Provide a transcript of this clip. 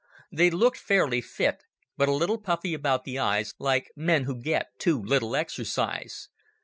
They looked fairly fit, but a little puffy about the eyes, like men who get too little exercise.